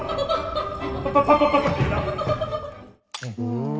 うん。